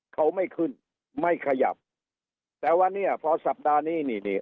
เขาไม่ขึ้นไม่ขยับแต่วันนี้พอสัปดาห์นี้นี่นี่